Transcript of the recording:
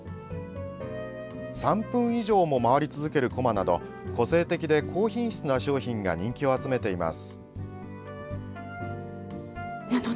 ３分以上も回り続けるコマなど個性的で、高品質な商品が人気を集めています。